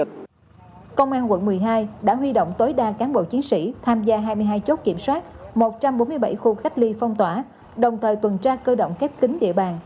hai mươi hai chốt kiểm soát một trăm bốn mươi bảy khu cách ly phong tỏa đồng thời tuần tra cơ động khép kính địa bàn